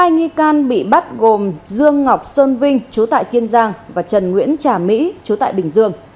hai nghi can bị bắt gồm dương ngọc sơn vinh chú tại kiên giang và trần nguyễn trà mỹ chú tại bình dương